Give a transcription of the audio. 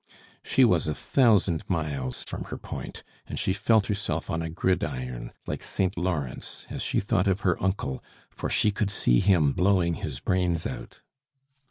She was a thousand miles from her point, and she felt herself on a gridiron, like Saint Laurence, as she thought of her uncle, for she could see him blowing his brains out.